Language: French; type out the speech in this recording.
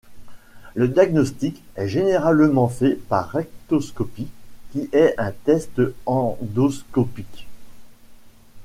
Le diagnostic est généralement fait par rectoscopie, qui est un test endoscopique.